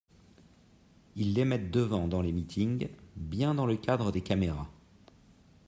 Ils les mettent devant dans les meetings, bien dans le cadre des caméras.